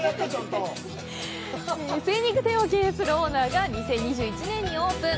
精肉店を経営するオーナーが２０２１年にオープン。